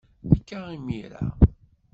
Akka imir-a.